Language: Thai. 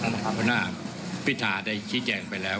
ก็เป็นเป็นประเด็นเดียวกับท่านคุณผู้น่าพิธาได้ขี้แจงไปแล้ว